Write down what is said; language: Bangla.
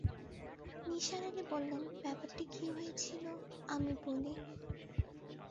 নিসার আলি বললেন, ব্যাপারটা কী হয়েছিল আমি বলি।